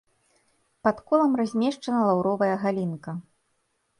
Пад колам размешчана лаўровая галінка.